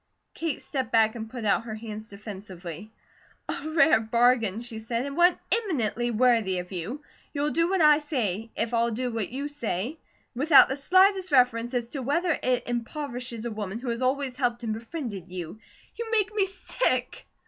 Kate stepped back and put out her hands defensively: "A rare bargain," she said, "and one eminently worthy of you. You'll do what I say, if I'll do what you say, without the slightest reference as to whether it impoverishes a woman who has always helped and befriended you. You make me sick!"